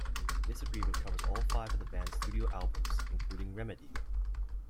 This agreement covers all five of the band's studio albums, including 'Remedy'.